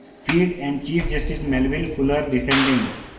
Field, and Chief Justice Melville Fuller dissenting.